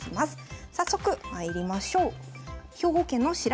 早速まいりましょう。